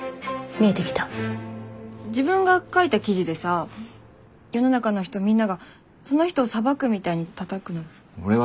自分が書いた記事でさ世の中の人みんながその人を裁くみたいにたたくのって。